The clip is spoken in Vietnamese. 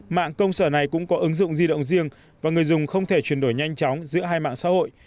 mạng công sở này cũng có ứng dụng di động riêng và người dùng không thể chuyển đổi nhanh chóng giữa hai mạng xã hội